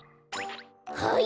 はい！